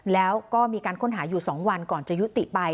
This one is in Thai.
แล้วก็มีการค้นหาอยู่๒วันก่อนจะยุติไป